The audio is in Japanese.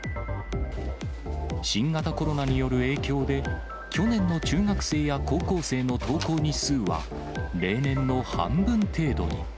新型コロナによる影響で、去年の中学生や高校生の登校日数は、例年の半分程度に。